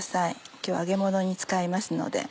今日揚げものに使いますので。